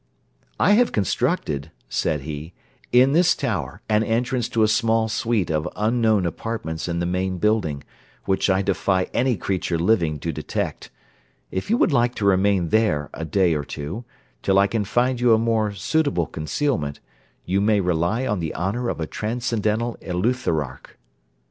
'I have constructed,' said he, 'in this tower, an entrance to a small suite of unknown apartments in the main building, which I defy any creature living to detect. If you would like to remain there a day or two, till I can find you a more suitable concealment, you may rely on the honour of a transcendental eleutherarch.'